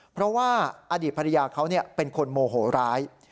เพราะว่าอดีตภรรยาเขาเป็นคนโมโหร้าย